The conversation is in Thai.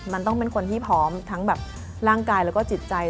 มันต้องเป็นคนที่พร้อมทั้งแบบร่างกายแล้วก็จิตใจ